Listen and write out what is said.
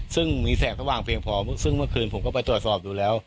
ซึ่งมีแสงสว่างเพียงพอซึ่งเมื่อคืนผมก็ไปตรวจสอบดูแล้ว